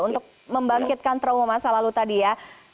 untuk membangkitkan trauma masa lalu tadi ya